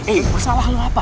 eh masalah lo apa